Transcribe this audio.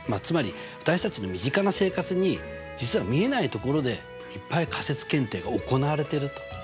つまり私たちの身近な生活に実は見えないところでいっぱい仮説検定が行われていると。